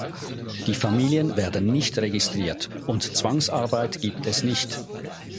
Die Familien werden nicht registriert und Zwangsarbeit gibt es nicht.